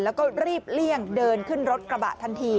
แล้วก็รีบเลี่ยงเดินขึ้นรถกระบะทันที